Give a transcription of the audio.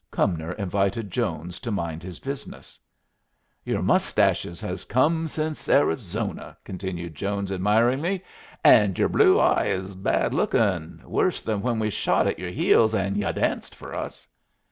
Cumnor invited Jones to mind his business. "Yer muss tache has come since Arizona," continued Jones, admiringly, "and yer blue eye is bad lookin' worse than when we shot at yer heels and y'u danced fer us."